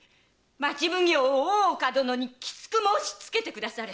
町奉行・大岡殿にきつく申しつけてくだされ！